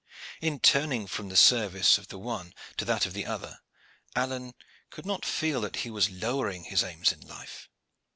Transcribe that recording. In turning from the service of the one to that of the other, Alleyne could not feel that he was lowering his aims in life.